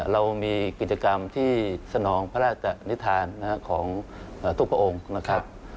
เรามีกิจกรรมที่สนองพระราชนิทานของทุกพระองค์นะครับ